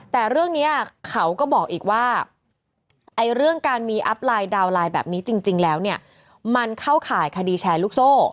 แต่เรื่องนี้เขาก็บอกอีกว่าเรื่องการมีอัพไลน์ดาวน์ไลน์แบบนี้จริงแล้วเนี่ยมันเข้าข่ายคดีแชร์ลูกโซ่